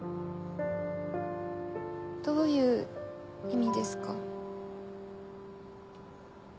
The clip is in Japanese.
どういう意味ですか？